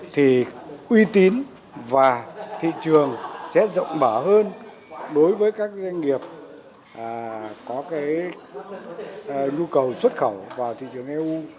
thì uy tín và thị trường sẽ rộng mở hơn đối với các doanh nghiệp có cái nhu cầu xuất khẩu vào thị trường eu